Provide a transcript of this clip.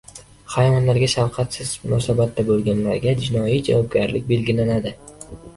Hayvonlarga shafqatsiz munosabatda bo‘lganlarga jinoiy javobgarlik belgilanadi